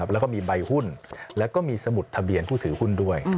แล้วก็มีใบหุ้นแล้วก็มีสมุดทะเบียนผู้ถือหุ้นด้วย